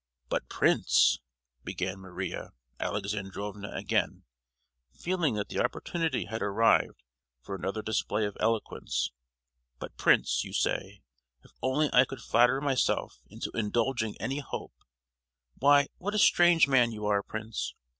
"But, Prince," began Maria Alexandrovna again, feeling that the opportunity had arrived for another display of eloquence. "But, Prince, you say, 'If only I could flatter myself into indulging any hope!' Why, what a strange man you are, Prince.